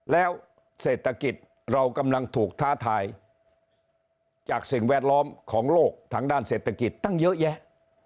แล้วเศรษฐกิจเรากำลังถูกท้าทายจากสิ่งแวดล้อมของโลกทางด้านเศรษฐกิจตั้งเยอะแยะ